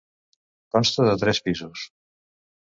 Consta de tres pisos.